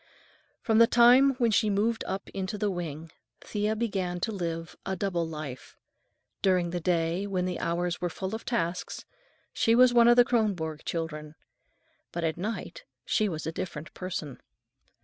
From the time when she moved up into the wing, Thea began to live a double life. During the day, when the hours were full of tasks, she was one of the Kronborg children, but at night she was a different person.